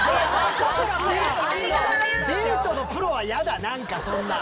デートのプロは嫌だ何かそんな。